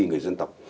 người dân tộc